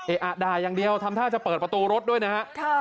เอะอ่าดายังเดียวทำท่าจะเปิดประตูรถด้วยนะครับ